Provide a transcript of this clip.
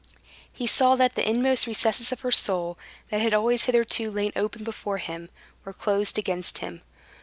He saw that the inmost recesses of her soul, that had always hitherto lain open before him, were closed against him.